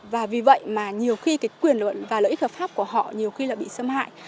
và vì vậy mà nhiều khi cái quyền luận và lợi ích hợp pháp của họ nhiều khi là bị xâm hại